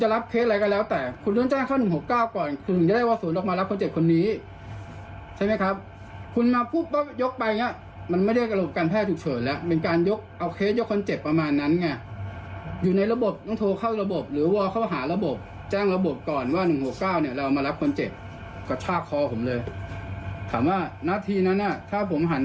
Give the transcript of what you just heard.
แล้วถ้าผมโดนแทงผมตายนะผมก็ต้องยิงปืนกับยิงป้องกันตัวเองก่อน